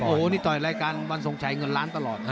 โอ้โหนี่ต่อยรายการวันทรงชัยเงินล้านตลอดนะ